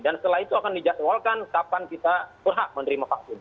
dan setelah itu akan dijadwalkan kapan kita berhak menerima vaksin